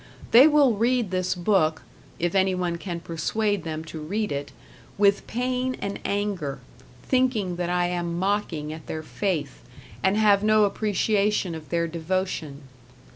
They will read this book if anyone can persuade them to read it with pain and anger; thinking that I am mocking at their faith, and have no appreciation of their devotion.